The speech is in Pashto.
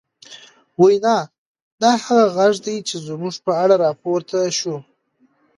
وينا، دا هغه غږ و، چې زموږ په اړه راپورته شو